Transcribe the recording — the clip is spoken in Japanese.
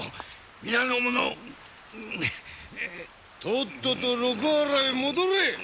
とっとと六波羅へ戻れ！